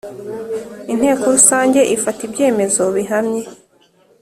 Inteko rusange ifata ibyemezo bihamye